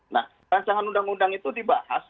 nah rancangan undang undang itu dibahas